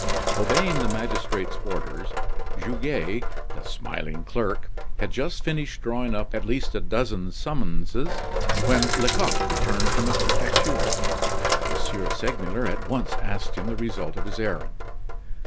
Obeying the magistrate's orders, Goguet, the smiling clerk, had just finished drawing up at least a dozen summonses, when Lecoq returned from the Prefecture. M. Segmuller at once asked him the result of his errand.